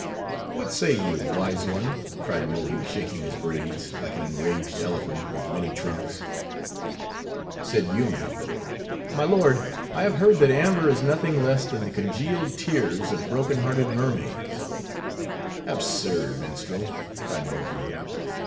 "What say you, wise one?" cried Mohi, shaking his braids, like an enraged elephant with many trunks. Said Yoomy: "My lord, I have heard that amber is nothing less than the congealed tears of broken hearted mermaids." "Absurd, minstrel," cried Mohi.